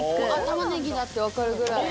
玉ねぎだって分かるぐらい。